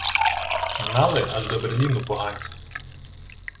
Гнали аж до Берліну поганців